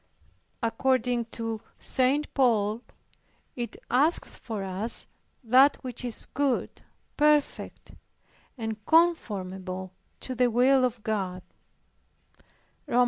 According to St. Paul it "asketh for us that which is good, perfect, and conformable to the will of God" (Rom.